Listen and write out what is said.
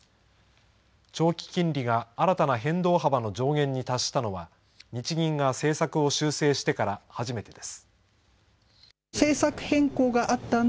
長期金利が新たな変動幅の上限に達したのは日銀が政策を修正してから初めてです。